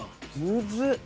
むずっ。